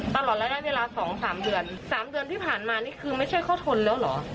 ตลอดระยะเวลาสองสามเดือนสามเดือนที่ผ่านมานี่คือไม่ใช่เขาทนแล้วเหรอ